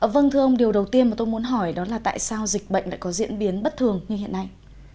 vâng thưa ông điều đầu tiên mà tôi muốn hỏi đó là tại sao dịch bệnh lại có diễn biến bất thường như hiện nay